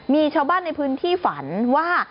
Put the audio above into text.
มีชาวบ้านในพื้นที่ฝันว่า